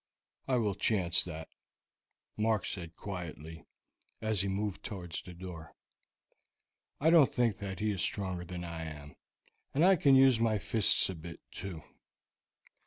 "I will chance that," Mark said quietly, as he moved towards the door. "I don't think that he is stronger than I am, and I can use my fists a bit, too."